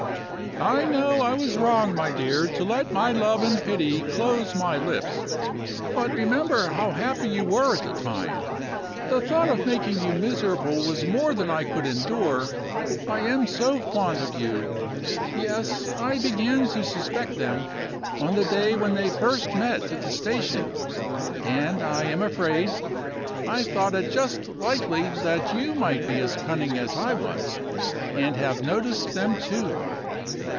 "I know I was wrong, my dear, to let my love and pity close my lips. But remember how happy you were at the time. The thought of making you miserable was more than I could endure I am so fond of you! Yes; I began to suspect them, on the day when they first met at the station. And, I am afraid, I thought it just likely that you might be as cunning as I was, and have noticed them, too."